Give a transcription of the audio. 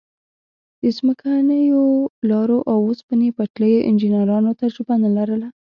د ځمکنیو لارو او اوسپنې پټلیو انجنیرانو تجربه نه لرله.